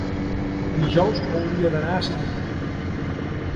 dijous hauria d'anar a Sant Mori.